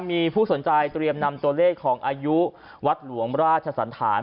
มีผู้สนใจเตรียมนำตัวเลขของอายุวัดหลวงราชสันธาร